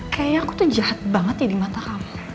kayaknya aku tuh jahat banget ya di mata kamu